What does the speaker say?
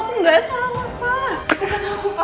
aku gak salah pak